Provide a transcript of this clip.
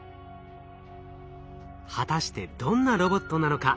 果たしてどんなロボットなのか？